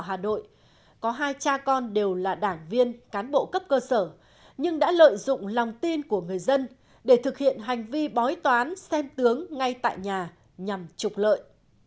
hà nội có hai cha con đều là đảng viên cán bộ cấp cơ sở nhưng đã lợi dụng lòng tin của người dân để thực hiện hành vi bói toán xem tướng ngay tại nhà nhằm trục lợi